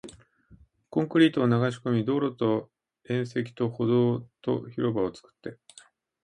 コンクリートを流し込み、道路と縁石と歩道と広場を作って